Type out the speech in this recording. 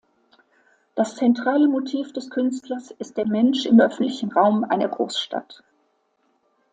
Das zentrale Motiv des Künstlers ist der Mensch im öffentlichen Raum einer Großstadt.